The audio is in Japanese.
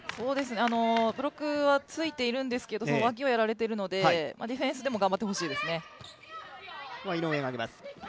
ブロックはついているんですが、脇をやられているのでディフェンスでも頑張ってほしいですね。